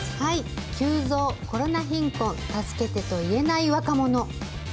急増コロナ貧困、助けてと言えない若者。